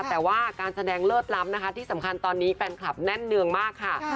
แต่ว่าการแสดงเลิศล้ำนะคะที่สำคัญตอนนี้แฟนคลับแน่นเนืองมากค่ะ